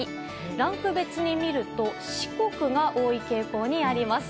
ランク別に見ると四国が多い傾向にあります。